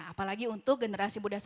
apalagi untuk generasi budaya yang lainnya